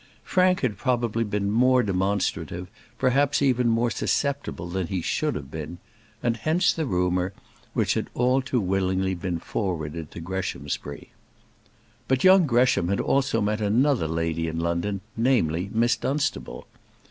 Frank had probably been more demonstrative, perhaps even more susceptible, than he should have been; and hence the rumour, which had all too willingly been forwarded to Greshamsbury. But young Gresham had also met another lady in London, namely Miss Dunstable.